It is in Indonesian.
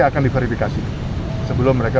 akan diverifikasi sebelum mereka